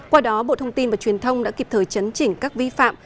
qua đó bộ thông tin và truyền thông đã kịp thời chấn chỉnh các vi phạm